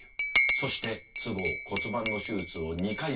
そして都合骨盤の手術を２回受けた。